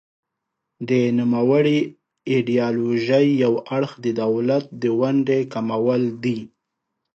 د نوموړې ایډیالوژۍ یو اړخ د دولت د ونډې کمول دي.